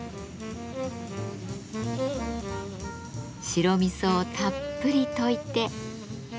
白味噌をたっぷり溶いて。